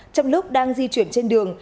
trong lúc đang di chuyển trên đường